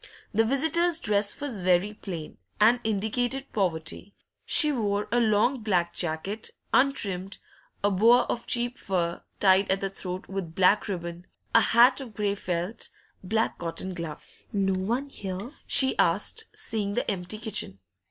The visitor's dress was very plain, and indicated poverty; she wore a long black jacket, untrimmed, a boa of cheap fur, tied at the throat with black ribbon, a hat of grey felt, black cotton gloves. 'No one here?' she asked, seeing the empty kitchen.